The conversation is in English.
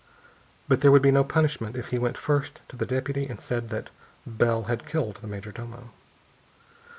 But there would be no punishment if he went first to the deputy and said that Bell had killed the major domo.